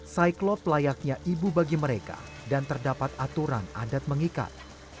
saiklop layaknya ibu bagi mereka dan terdapat aturan adat mengikat